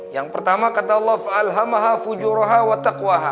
yang pertama kata allah